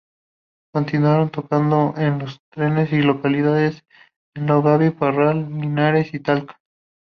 Continuaron tocando en los trenes y locales en Longaví, Parral, Linares y Talca.